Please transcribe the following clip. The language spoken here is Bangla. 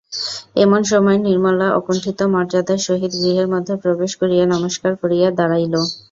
এমন সময় নির্মলা অকুণ্ঠিত মর্যাদার সহিত গৃহের মধ্যে প্রবেশ করিয়া নমস্কার করিয়া দাঁড়াইল।